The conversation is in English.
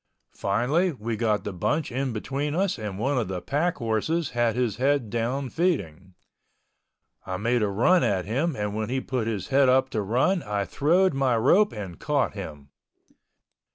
Finally we got the bunch in between us and one of the pack horses had his head down feeding—I made a run at him and when he put his head up to run I throwed my rope and caught him.